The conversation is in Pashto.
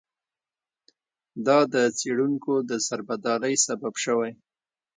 دا د څېړونکو د سربدالۍ سبب شوی.